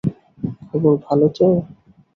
খবর ভালো তো?